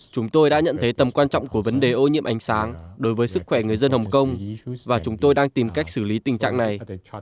chúng tôi đã nhận thấy tầm quan trọng của vấn đề ô nhiễm ánh sáng đối với sức khỏe người dân hồng kông và chúng tôi đang tìm cách xử lý tình trạng này